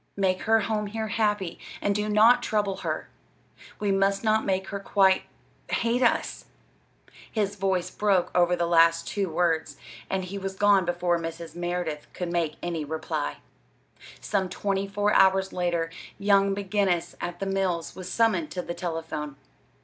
Make her home here happy, and do not trouble her. We must not make her quite hate us!" His voice broke over the last two words, and he was gone before Mrs. Merideth could make any reply. Some twenty four hours later, young McGinnis at the mills was summoned to the telephone.